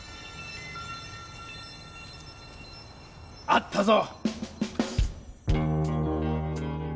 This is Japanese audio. あったぞ！